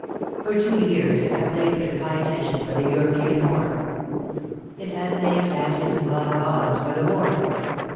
For two years it had labored at high tension for the European war. It had paid taxes and bought bonds, for the war.